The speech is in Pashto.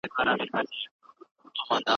ایا ستا لارښود پرون په دفتر کي و؟